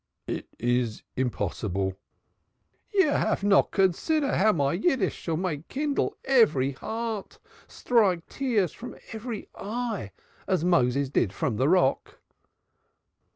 "It is impossible." "You haf not considair how my Yiddish shall make kindle every heart, strike tears from every eye, as Moses did from de rock."